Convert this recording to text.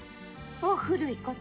お古いこと。